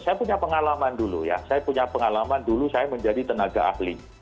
saya punya pengalaman dulu ya saya punya pengalaman dulu saya menjadi tenaga ahli